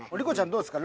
どうですか？